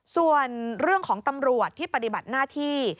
ส่วนเรื่องของตำรวจที่ปฏิบัติหน้าที่